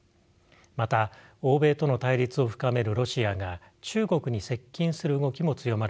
また欧米との対立を深めるロシアが中国に接近する動きも強まるでしょう。